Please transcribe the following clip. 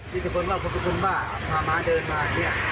มีแต่คนว่าเขาเป็นคนบ้าพาหมาเดินมาเนี่ย